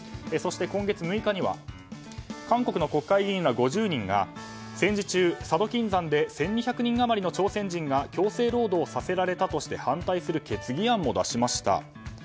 そして今月６日には韓国の国会議員ら５０人が戦時中、佐渡金山で１２００人余りの朝鮮人が強制労働させられたとして反対する決議案も出しました。